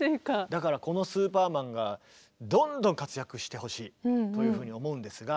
だからこのスーパーマンがどんどん活躍してほしいというふうに思うんですがえ。